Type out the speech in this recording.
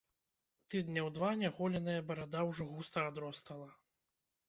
Тыдняў два няголеная барада ўжо густа адростала.